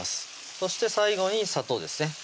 そして最後に砂糖ですね